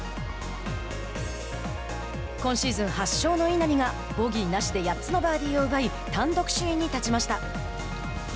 今シーズン８勝の稲見がボギーなしで８つのバーディーを奪い単独首位に立ちました。